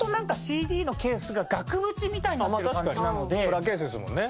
プラケースですもんね。